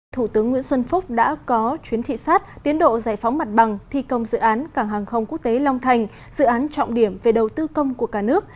thủ tướng nguyễn xuân phúc đã có chuyến thị sát tiến độ giải phóng mặt bằng thi công dự án cảng hàng không quốc tế long thành dự án trọng điểm về đầu tư công của cả nước